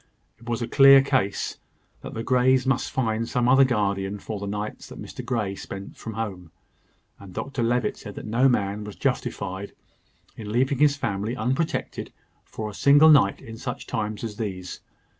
It was a clear case that the Greys must find some other guardian for the nights that Mr Grey spent from home; and Dr Levitt said that no man was justified in leaving his family unprotected for a single night in such times as these.